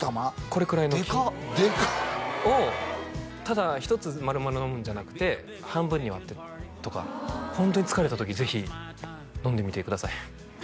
これくらいのでかっをただ１つまるまる飲むんじゃなくて半分に割ってとかホントに疲れた時ぜひ飲んでみてください